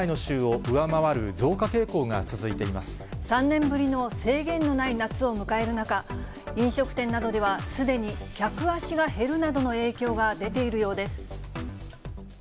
３年ぶりの制限のない夏を迎える中、飲食店などではすでに客足が減るなどの影響が出ているようです。